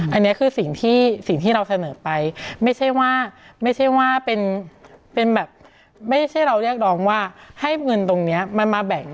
อันนี้คือสิ่งที่เราเสนอไปไม่ใช่ว่าเราเรียกร้องว่าให้เงินตรงนี้มันมาแบ่ง